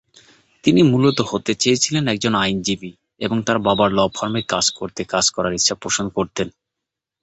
তিনি মূলত হতে চেয়েছিলেন একজন আইনজীবী এবং তার বাবার ল ফার্মে কাজ করতে কাজ করার ইচ্ছা পোষণ করতেন।